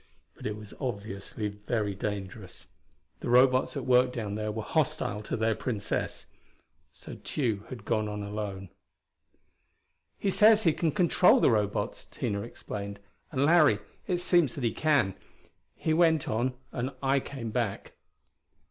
But it was obviously very dangerous; the Robots at work down there were hostile to their Princess; so Tugh had gone on alone. "He says he can control the Robots," Tina explained, "and Larry, it seems that he can. He went on and I came back."